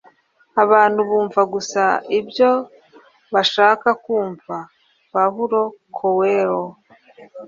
abantu bumva gusa ibyo bashaka kumva. - paulo coelho